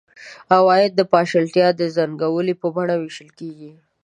عواید د پاشلتیا د زنګولې په بڼه وېشل کېږي.